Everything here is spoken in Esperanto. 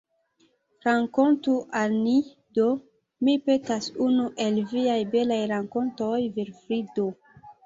Rakontu al ni do, mi petas, unu el viaj belaj rakontoj, Vilfrido.